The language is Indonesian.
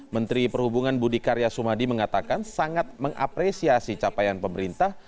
menteri perhubungan budi karya sumadi mengatakan sangat mengapresiasi capaian pemerintah